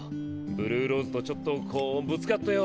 ブルーローズとちょっとこうぶつかってよ。